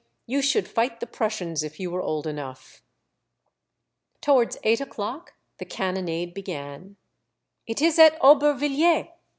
you should fight the Prussians if you were old enough !" Towards eight o'clock the cannonade began. " It is at Aubervilliers.